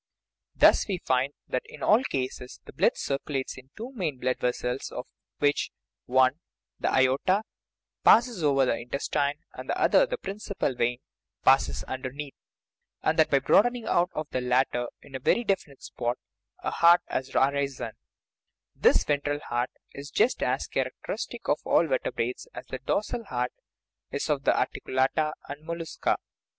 Thus we find that in all cases the blood circulates in two main blood vessels, of which one the aorta passes over the in testine, and the other the principal vein passes un derneath, and that by the broadening out of the latter in a very definite spot a heart has arisen ; this " ventral heart " is just as characteristic of all vertebrates as the " dorsal heart " is of the articulata and mollusca.